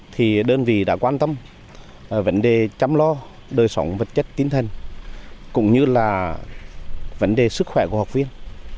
thì đơn vị đã quan tâm vấn đề chăm lo đời sống vật chất tinh thần cũng như là vấn đề sức khỏe của học viên